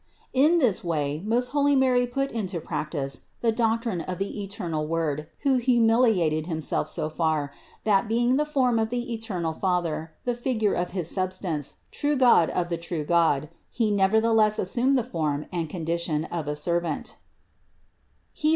237. In this way most holy Mary put into practice the doctrine of the eternal Word who humiliated Him self so far, that, being the form of the eternal Father, the figure of his substance, true God of the true God, He nevertheless assumed the form and condition of a ser vant (Heb.